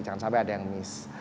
jangan sampai ada yang miss